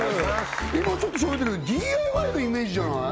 今ちょっとしゃべったけどＤＩＹのイメージじゃない？